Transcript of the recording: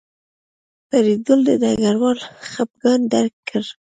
فریدګل د ډګروال خپګان درک کړ